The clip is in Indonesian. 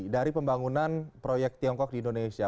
dari pembangunan proyek tiongkok di indonesia